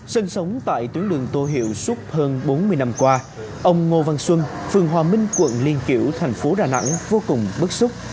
sinh sống tại tuyến đường tô hiệu suốt hơn bốn mươi năm qua ông ngô văn xuân phường hòa minh quận liên kiểu thành phố đà nẵng vô cùng bức xúc